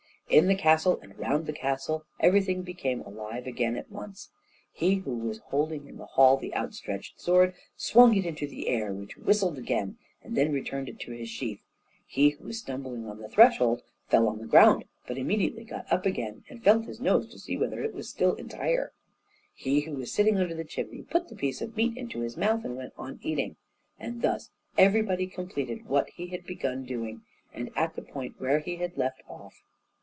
In the castle and round the castle everything became alive again at once. He who was holding in the hall the outstretched sword, swung it into the air, which whistled again, and then returned it to its sheath; he who was stumbling on the threshold, fell on the ground, but immediately got up again and felt his nose to see whether it was still entire; he who was sitting under the chimney put the piece of meat into his mouth and went on eating; and thus everybody completed what he had begun doing, and at the point where he had left off.